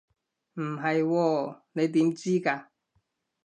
唔係喎，你點知㗎？